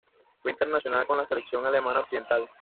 Fue internacional con la selección alemana occidental.